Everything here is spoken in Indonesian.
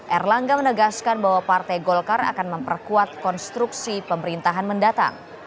erlangga menegaskan bahwa partai golkar akan memperkuat konstruksi pemerintahan mendatang